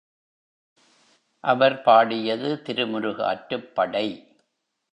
அவர் பாடியது திருமுருகாற்றுப் படை.